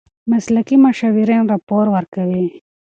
مسلکي مشاورین راپور ورکوي.